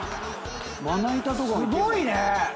すごいね！